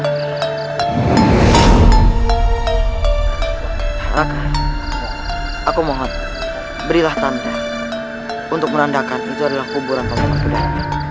raka aku mohon berilah tanda untuk merandakan itu adalah kuburan panggung kedah